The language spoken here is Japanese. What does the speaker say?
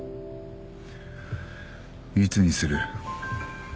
いつにする？